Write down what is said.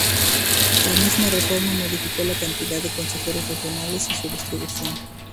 La misma reforma modificó la cantidad de consejeros regionales y su distribución.